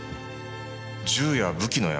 銃や武器の山？